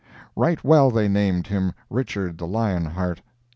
Right well they named him Richard of the Lion Heart!